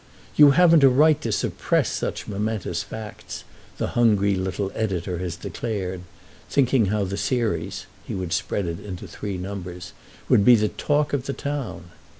"You haven't a right to suppress such momentous facts," the hungry little editor had declared, thinking how the series (he would spread it into three numbers) would be the talk of the town.